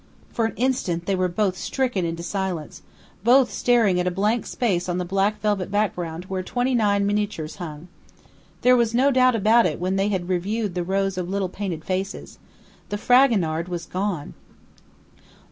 For an instant they were stricken into silence, both staring at a blank space on the black velvet background where twenty nine miniatures hung. There was no doubt about it when they had reviewed the rows of little painted faces. The Fragonard was gone.